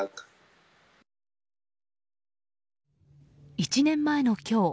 １年前の今日